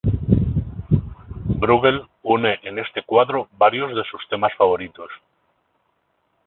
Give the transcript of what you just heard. Brueghel une en este cuadro varios de sus temas favoritos.